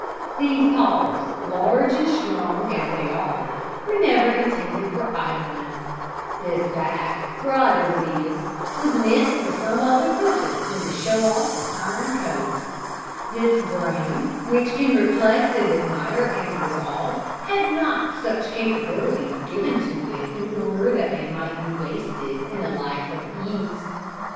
These paws, large and strong as they are, were never intended for idleness; this back, broad as it is, was meant for some other purpose than to show off a fine coat; this brain, which can reflect and admire and resolve, had not such capabilities given to it in order that they might be wasted in a life of ease.